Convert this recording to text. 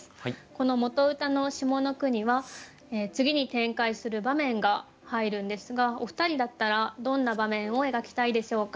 この元歌の下の句には次に展開する場面が入るんですがお二人だったらどんな場面を描きたいでしょうか？